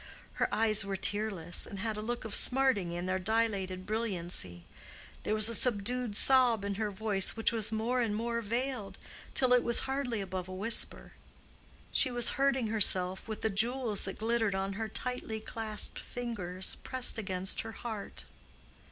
Her eyes were tearless, and had a look of smarting in their dilated brilliancy; there was a subdued sob in her voice which was more and more veiled, till it was hardly above a whisper. She was hurting herself with the jewels that glittered on her tightly clasped fingers pressed against her heart.